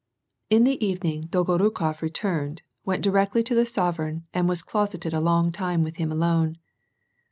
In the evening Dolgonikof returned, went directly to the sovereign and was closeted a long time with him alone.